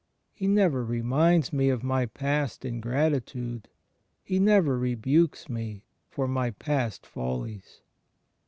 He never reminds me of my past ingratitude. He never rebukes me for my past follies.